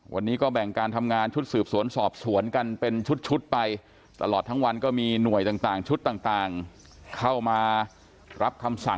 วันนี้ก็แบ่งการทำงานชุดสืบสวนสอบสวนกันเป็นชุดไปตลอดทั้งวันก็มีหน่วยต่างชุดต่างเข้ามารับคำสั่ง